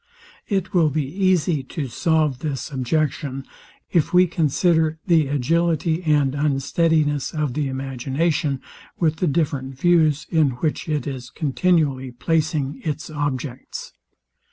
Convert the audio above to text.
It will be easy to solve this objection, if we consider the agility and unsteadiness of the imagination, with the different views, in which it is continually placing its objects.